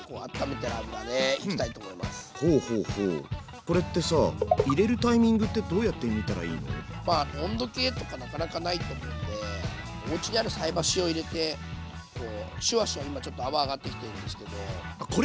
これってさ温度計とかなかなかないと思うんでおうちにある菜箸を入れてこうシュワシュワ今ちょっと泡上がってきてるんですけどこれ？